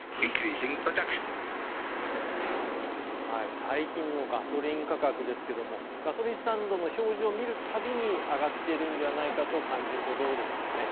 最近のガソリン価格ですけどもガソリンスタンドの表示を見るたびに上がっているのではないかと感じるほどですよね。